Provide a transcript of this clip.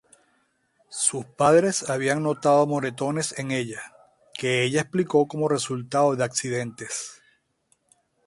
Sus padres habían notado moretones en ella, que ella explicó como resultado de accidentes.